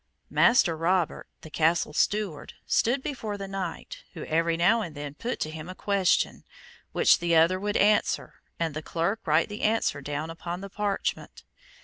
Master Robert, the castle steward, stood before the knight, who every now and then put to him a question, which the other would answer, and the clerk write the answer down upon the parchment.